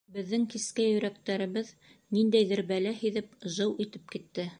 Беҙҙең кескәй йөрәктәребеҙ ниндәйҙер бәлә һиҙеп, жыу итеп китте.